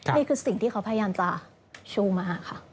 นี่คือสิ่งที่เขาพยายามจะชูมาค่ะ